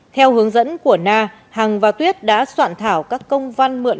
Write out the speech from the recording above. theo hướng dẫn của na hằng và tuyết đã soạn thảo các công văn mượn